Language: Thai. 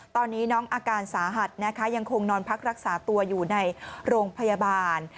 ตอนนี้น้องอาการสาหัสนะคะยังคงนอนพักรักษาตัวอยู่ในโรงพยาบาล